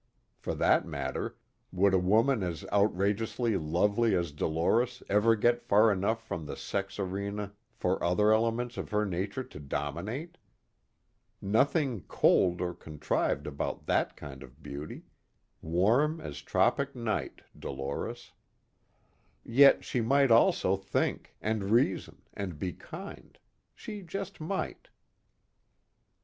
For that matter, would a woman as outrageously lovely as Dolores ever get far enough from the sex arena for other elements of her nature to dominate? Nothing cold or contrived about that kind of beauty warm as tropic night, Dolores. Yet she might also think, and reason, and be kind she just might.